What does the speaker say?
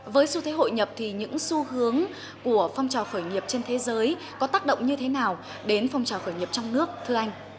với xu thế hội nhập thì những xu hướng của phong trào khởi nghiệp trên thế giới có tác động như thế nào đến phong trào khởi nghiệp trong nước thưa anh